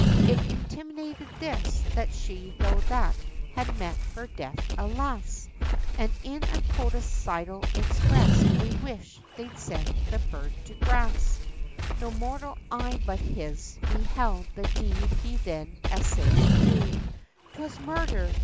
It intimated this, that she thro' that, had met her death, alas; And in a codicil expressed a wish they'd send the bird to grass. No mortal eye but his, beheld the deed he then essayed to do 'Twas murder!